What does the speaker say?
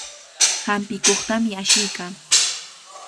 Hampikuqtami ashiykaa.